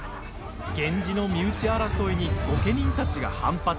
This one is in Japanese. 源氏の身内争いに御家人たちが反発。